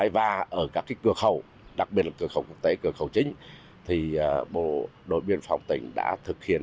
và ở các cửa khẩu đặc biệt là cửa khẩu quốc tế cửa khẩu chính